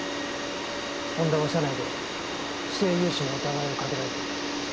恩田は社内で不正融資の疑いをかけられていた。